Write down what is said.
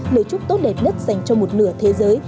lời chúc tốt đẹp nhất dành cho một nửa thế giới